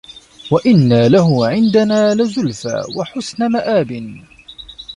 وَإِنَّ لَهُ عِندَنا لَزُلفى وَحُسنَ مَآبٍ